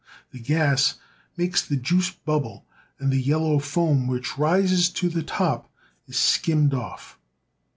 The gas makes the juice bubble, and the yellow foam which rises to the top is skimmed off.